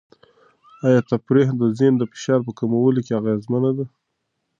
آیا تفریح د ذهني فشار په کمولو کې اغېزمنه ده؟